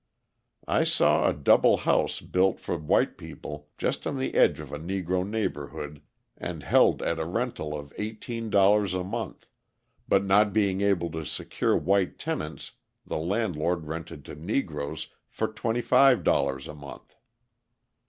I saw a double house built for white people just on the edge of a Negro neighbourhood and held at a rental of $18 a month, but not being able to secure white tenants the landlord rented to Negroes for $25 a month.